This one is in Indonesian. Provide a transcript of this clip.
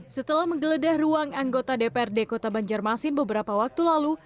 setelah menggeledah ruang anggota dprd kota banjarmasin beberapa waktu lalu